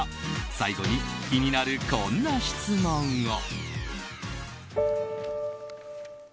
最後に、気になるこんな質問を。